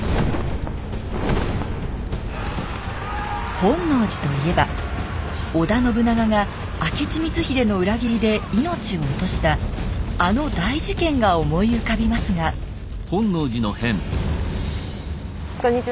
本能寺といえば織田信長が明智光秀の裏切りで命を落としたあの大事件が思い浮かびますがこんにちは